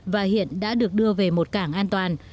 và hiện đã được đưa về một cảng an toàn